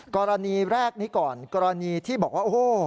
กรณีแรกนี้ก่อนกรณีที่บอกว่าโอ้โห